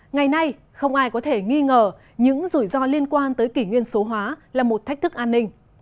ngày nay không ai có thể nghi ngờ những rủi ro liên quan tới kỷ nguyên số hóa là một thách thức an ninh